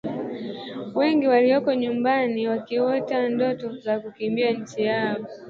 wengi waliopo nyumbani wakiota ndoto za kuikimbia nchi yao